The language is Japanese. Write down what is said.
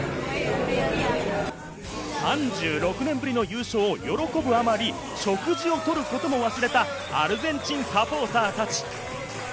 ３６年ぶりの優勝を喜ぶあまり、食事をとることも忘れたアルゼンチンサポーターたち。